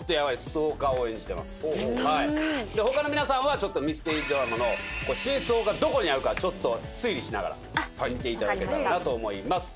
ストーカー事件ほかの皆さんはちょっとミステリードラマの真相がどこにあるかちょっと推理しながら見ていただけたらなと思います